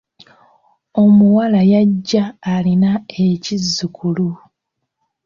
Omuwala yajja alina ekizzukulu.